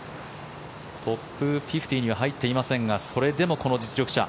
トップ５０には入っていませんがそれでもこの実力者。